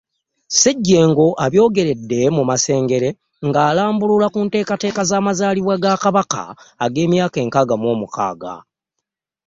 Ssejjengo abyogeredde mu Masengere ng’alambulula ku nteekateeka z’amazaalibwa ga Kabaka ag’emyaka nkaaga mu mukaaga